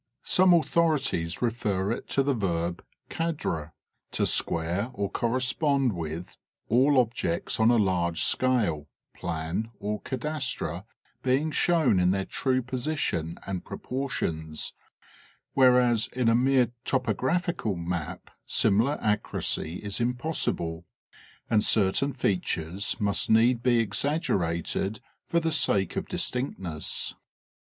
Some authorities refer it to the verb "cadrer" to square or correspond with, all objects on a large scale, plan, or cadastre being shown in their true position and proportions, whereas in a mere topographical map similar accuracy is impos sible, and certain features must need be exaggerated for the sake of distinctness.